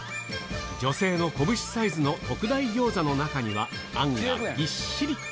女性の拳サイズの特大餃子の中には、あんがぎっしり。